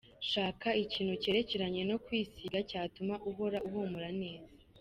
Shaka ikintu cyerekeranye no kwisiga cyatuma uhora uhumura neza:.